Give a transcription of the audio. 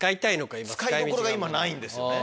使いどころが今ないんですよね。